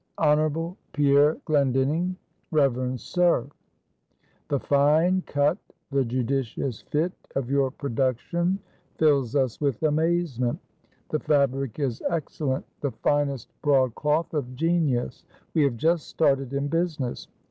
"Hon. Pierre Glendinning, "Revered Sir, "The fine cut, the judicious fit of your productions fill us with amazement. The fabric is excellent the finest broadcloth of genius. We have just started in business.